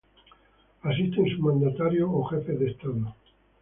Asisten sus mandatarios o jefes de estados.